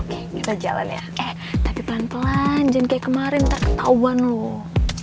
oke kita jalan ya eh tapi pelan pelan jangan kayak kemarin tak ketauan loh